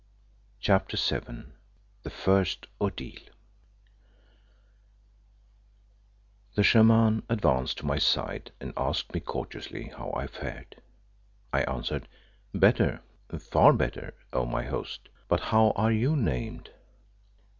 CHAPTER VII THE FIRST ORDEAL The shaman advanced to my side and asked me courteously how I fared. I answered, "Better. Far better, oh, my host but how are you named?"